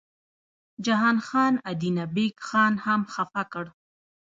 جهان خان ادینه بېګ خان هم خپه کړ.